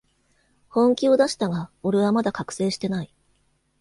本気を出したが、俺はまだ覚醒してない